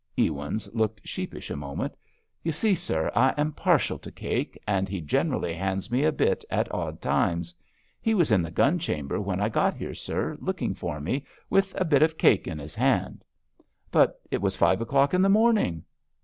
Ewins looked sheepish a moment. "You see, sir, I am partial to cake, and he generally hands me a bit at odd times. He was in the gun chamber when I got here, sir, looking for me, with a bit of cake in his hand." "But it was five o'clock in the morning!"